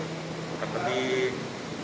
kepala polsek metro penjaringan akbpv